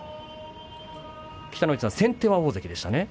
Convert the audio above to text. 北の富士さん、先手は大関でしたね。